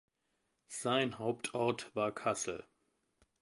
Sein Hauptort war Cassel.